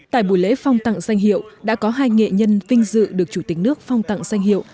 tại buổi lễ phong tặng danh hiệu đã có hai nghệ nhân vinh dự được chủ tịch nước phong tặng danh hiệu